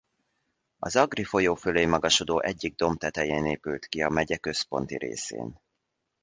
Az Agri folyó fölé magasodó egyik domb tetején épült ki a megye központi részén.